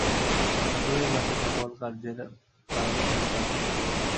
ঠাকুরের কাছে সকল কার্যের প্রারম্ভে প্রার্থনা করিবে।